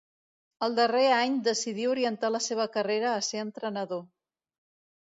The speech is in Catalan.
El darrer any decidí orientar la seva carrera a ser entrenador.